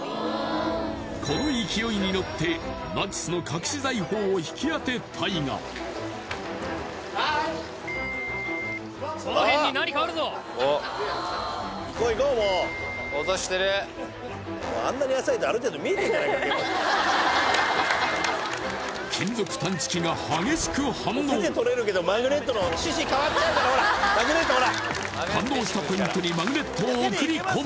この勢いにのってナチスの隠し財宝を引き当てたいが金属探知機が激しく反応反応したポイントにマグネットを送り込む